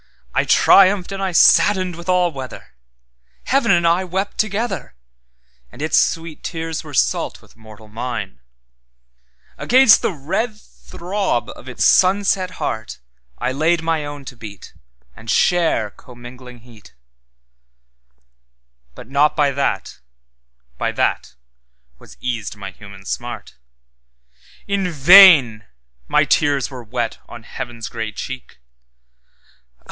I triumphed and I saddened with all weather, Heaven and I wept together, And its sweet tears were salt with mortal mine; Against the red throb of its sunset heartI laid my own to beat, And share commingling heat; But not by that, by that, was eased my human smart.In vain my tears were wet on Heaven's grey cheek.